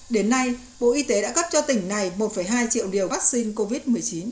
đến nay bộ y tế đã cấp cho tỉnh này một hai triệu liều vaccine covid một mươi chín